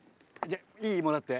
いい？もらって。